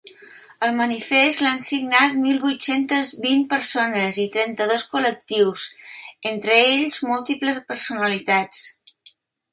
El manifest l’han signat mil vuit-centes vint persones i trenta-dos col·lectius, entre ells múltiples personalitats.